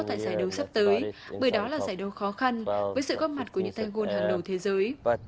tại giải đấu sắp tới bởi đó là giải đấu khó khăn với sự góp mặt của những thanh gôn hàng đầu thế giới